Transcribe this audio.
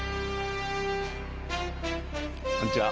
こんにちは。